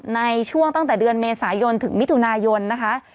ในช่วงตั้งแต่เดือนเมษายนถึงมิถุนายนนะคะ